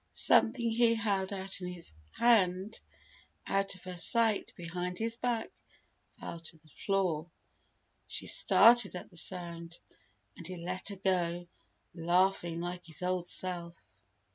Something he held in his hand, out of her sight behind his back, fell to the floor. She started at the sound, and he let her go, laughing like his old self.